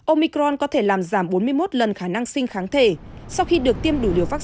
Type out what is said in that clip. omicron có thể làm giảm bốn mươi một lần khả năng siêu